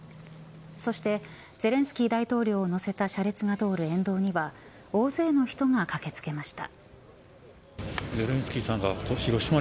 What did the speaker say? そしてゼレンスキー大統領の乗せた車列が通る沿道には大勢の人が駆け付けました。